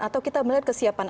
atau kita melihat kesiapan